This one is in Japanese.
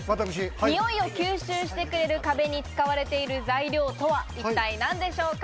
臭いを吸収してくれる壁に使われている材料とは、一体何でしょうか？